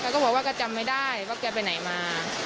ก็บอกว่าแกจำไม่ได้ว่าแกไปไหนมา